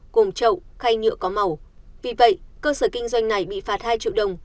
gồm chậu khay nhựa có màu vì vậy cơ sở kinh doanh này bị phạt hai triệu đồng